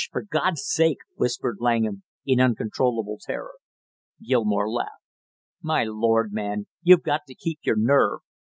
For God's sake " whispered Langham in uncontrollable terror. Gilmore laughed. "My lord, man, you got to keep your nerve!